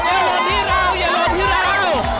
อย่าหล่นที่เราอย่าหล่นที่เรา